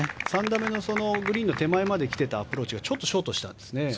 ３打目のグリーンの手前まで来ていたアプローチはちょっとショートしたんですね。